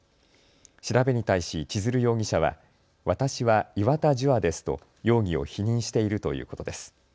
調べに対し千鶴容疑者は私は岩田樹亞ですと容疑を否認しているということです。